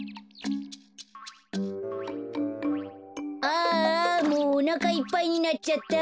ああもうおなかいっぱいになっちゃった。